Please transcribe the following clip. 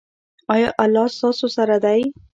ایا الله ستاسو سره دی؟